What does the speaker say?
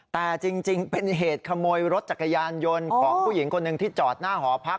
แต่จริงเป็นเหตุขโมยรถจักรยานยนต์ของผู้หญิงคนหนึ่งที่จอดหน้าหอพัก